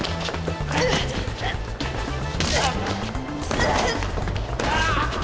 うっ！